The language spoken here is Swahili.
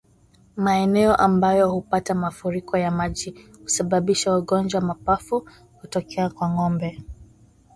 Maeneo ambayo hupata mafuriko ya maji husababisha ugonjwa wa mapafu kutokea kwa ngombe